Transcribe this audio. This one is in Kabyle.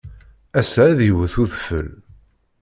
Ass-a, ad iwet udfel.